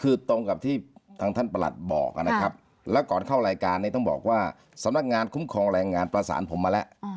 คือตรงกับที่ทางท่านประหลัดบอกนะครับแล้วก่อนเข้ารายการนี้ต้องบอกว่าสำนักงานคุ้มครองแรงงานประสานผมมาแล้ว